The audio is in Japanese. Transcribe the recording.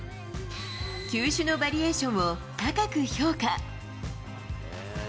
球種のバリエーションを高く評価。